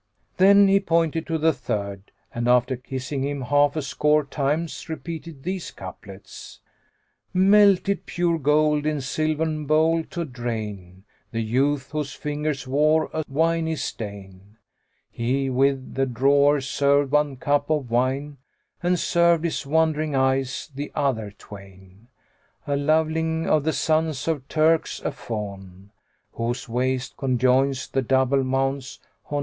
'"[FN#88] Then he pointed to the third and, after kissing him half a score times repeated these couplets, "Melted pure gold in silvern bowl to drain * The youth, whose fingers wore a winey stain: He with the drawers[FN#89] served one cup of wine, * And served his wandering eyes the other twain. A loveling, of the sons of Turks,[FN#90] a fawn * Whose waist conjoins the double Mounts Honayn.